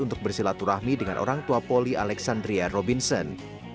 untuk bersilaturahmi dengan orang tua poli alexandria robinson